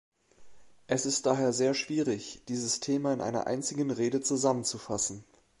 Es ist daher sehr schwierig, dieses Thema in einer einzigen Rede zusammenzufassen.